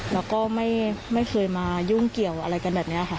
แล้วก็ไม่เคยมายุ่งเกี่ยวอะไรกันแบบนี้ค่ะ